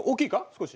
少し。